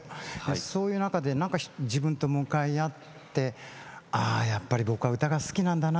そういう中で自分と向かい合ってやっぱり、僕は歌が好きなんだな。